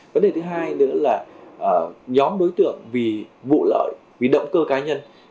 vấn đề thứ hai nữa là nhóm đối tượng vì vụ lợi vì động cơ cá nhân